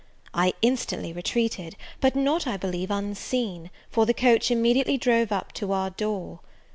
I instantly retreated, but not I believe, unseen; for the coach immediately drove up to our door.